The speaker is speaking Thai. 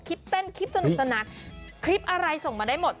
คลิปเต้นคลิปสนุกสนานคลิปอะไรส่งมาได้หมด